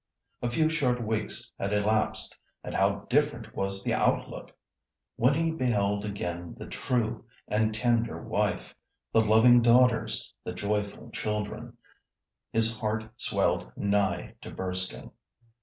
A few short weeks had elapsed, and how different was the outlook! When he beheld again the true and tender wife, the loving daughters, the joyful children, his heart swelled nigh to bursting.